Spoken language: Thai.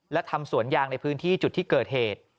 และทำสวนยางในพื้นที่จุดที่เกิดเหตุ